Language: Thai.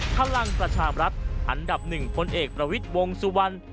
พลังประชาบรัฐอันดับหนึ่งคนเอกประวิทวงศ์สุวรรณ